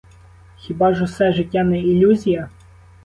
Хіба ж усе життя не ілюзія?